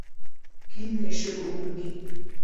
Кемдең эше булыуы мөмкин?